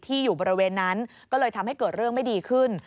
อยู่บริเวณนั้นก็เลยทำให้เกิดเรื่องไม่ดีขึ้น